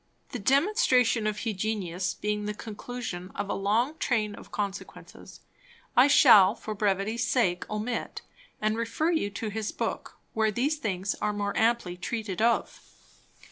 The Demonstration of Hugenius being the Conclusion of a long Train of Consequences, I shall for brevity sake omit; and refer you to his Book, where these things are more amply treated of.